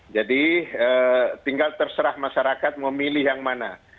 jadi tinggal terserah masyarakat memilih yang mana